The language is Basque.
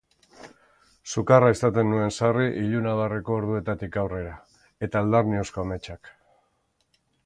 Sukarra izaten nuen sarri ilunabarreko orduetatik aurrera eta eldarniozko ametsak.